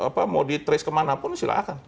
apa mau di trace kemana pun silahkan